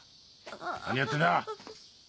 何やってんだ？